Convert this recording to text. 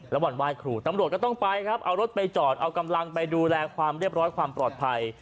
แล้ววันไหว้ครูตำรวจก็ต้องไปครับเอารถไปจอดเอากำลังไปดูแลความเรียบร้อยความปลอดภัย